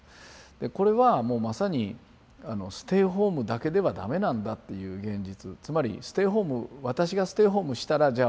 これはもうまさにステイホームだけではダメなんだっていう現実つまりステイホーム私がステイホームしたらじゃあ